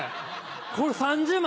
これ３０万